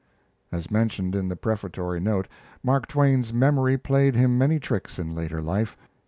[As mentioned in the Prefatory Note, Mark Twain's memory played him many tricks in later life.